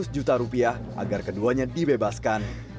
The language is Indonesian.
tiga ratus juta rupiah agar keduanya dibebaskan